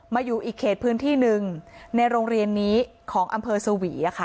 อยู่อีกเขตพื้นที่หนึ่งในโรงเรียนนี้ของอำเภอสวี